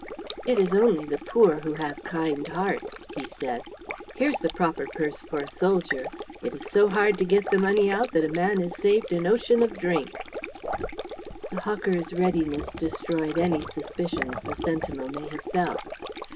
"It is only the poor who have kind hearts," he said; "here's the proper purse for a soldier. It is so hard to get the money out that a man is saved an ocean of drink." The hawker's readiness destroyed any suspicions the sentinel may have felt.